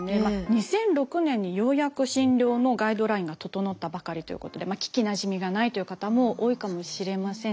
２００６年にようやく診療のガイドラインが整ったばかりということで聞きなじみがないという方も多いかもしれませんね。